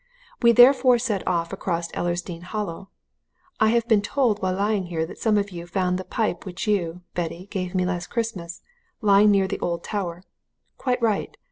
We therefore set off across Ellersdeane Hollow. I have been told while lying here that some of you found the pipe which you, Betty, gave me last Christmas, lying near the old tower quite right.